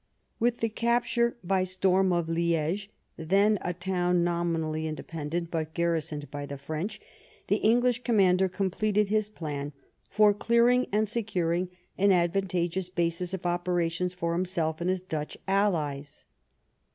With the capture by storm of Liege, then a city nominally independent but garrisoned by the French, the English commander completed his plan for clearing and secur ing an advantageous basis of operations for himself and his Dutch allies.